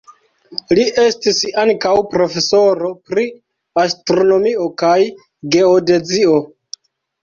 Li estis ankaŭ profesoro pri astronomio kaj geodezio.